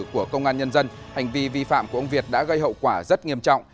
của công an nhân dân hành vi vi phạm của ông việt đã gây hậu quả rất nghiêm trọng